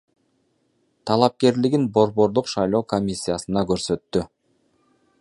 талапкерлигин Борбордук шайлоо комиссиясына көрсөттү.